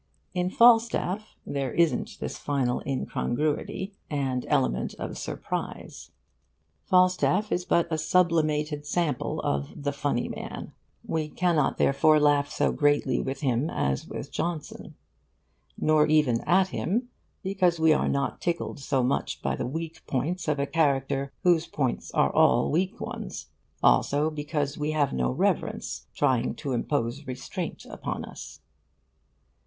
In Falstaff there isn't this final incongruity and element of surprise. Falstaff is but a sublimated sample of 'the funny man.' We cannot, therefore, laugh so greatly with him as with Johnson. (Nor even at him; because we are not tickled so much by the weak points of a character whose points are all weak ones; also because we have no reverence trying to impose restraint upon us.)